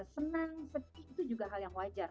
senang sedih itu juga hal yang wajar